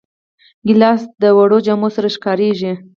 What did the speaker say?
ګیلاس د وړو جامو سره ښکارېږي.